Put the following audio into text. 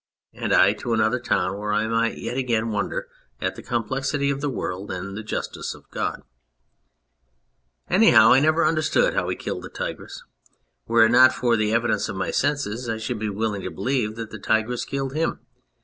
and I to another town where I might yet again wonder at the complexity of the world and the justice of God ! Anyhow, I never understood how he killed the tigress. Were it not for the evidence of my senses I should be willing to believe that the tigress killed him.